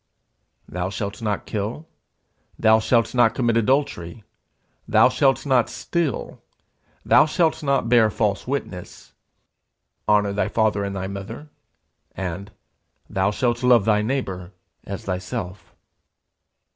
'Thou shalt not kill, Thou shalt not commit adultery, Thou shalt not steal, Thou shalt not bear false witness, Honour thy father and thy mother; and, Thou shalt love thy neighbour as thyself.'